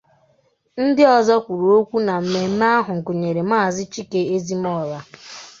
Ndị ọzọ kwuru okwu na mmemme ahụ gụnyèrè Maazị Chike Ezimora